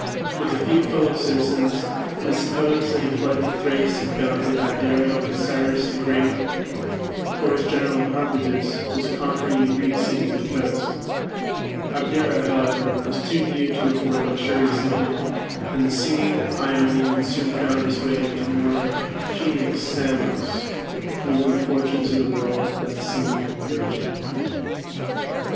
With a few fellow citizens, it is supposed that he fled to Thrace and founded Abdera when Cyrus the Great, or his general Harpagus, was conquering the Greek cities of the coast. Abdera, however, was too new to afford luxurious living, and the singing Ionian soon found his way to more genial Samos, whither the fortunes of the world then seemed converging.